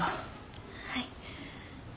はい。